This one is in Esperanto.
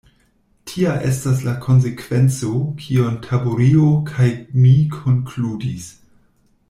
Tia estas la konsekvenco, kiun Taburio kaj mi konkludis.